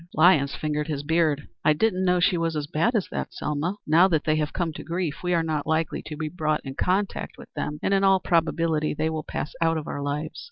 Lyons fingered his beard. "I didn't know she was as bad as that, Selma. Now that they have come to grief, we are not likely to be brought in contact with them, and in all probability they will pass out of our lives.